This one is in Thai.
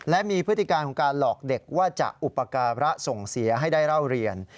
และมีพฤติการของการหลอกเด็กว่าจะอุปการะส่งเสียให้ได้เล่าเรียน